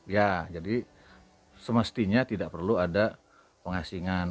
ya jadi semestinya tidak perlu ada pengasingan